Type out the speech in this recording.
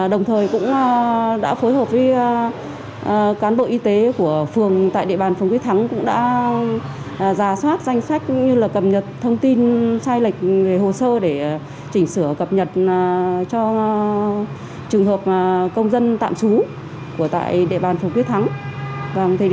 đồng thời cũng đã phối hợp với cán bộ y tế của phường tại địa bàn phường quyết thắng cũng đã giả soát danh sách cũng như cập nhật thông tin sai lệch về hồ sơ để chỉnh sửa cập nhật cho trường hợp công dân tạm trú tại địa bàn phùng quyết thắng